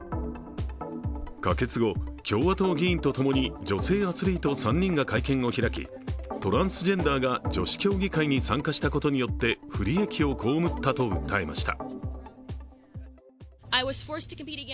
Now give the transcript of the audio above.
可決後、共和党議員と共に女性アスリート３人が会見を開き、トランスジェンダーが女子競技会に参加したことによって不利益を被ったと訴えました。